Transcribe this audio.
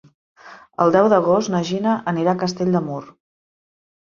El deu d'agost na Gina anirà a Castell de Mur.